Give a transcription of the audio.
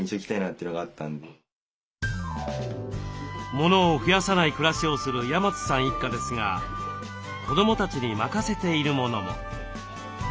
モノを増やさない暮らしをする山津さん一家ですが子どもたちに任せているものも。